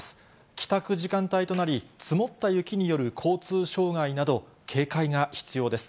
帰宅時間帯となり、積もった雪による交通障害など、警戒が必要です。